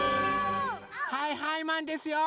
はいはいマンですよ！